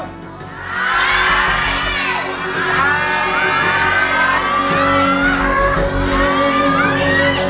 ได้